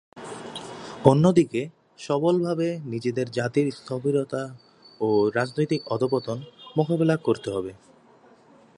অন্যদিকে, সবলভাবে নিজেদের জাতির স্থবিরতা ও রাজনৈতিক অধঃপতন মোকাবিলা করতে হবে।